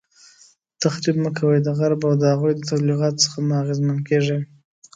تخریب مه کوئ، د غرب او د هغوی د تبلیغاتو څخه مه اغیزمن کیږئ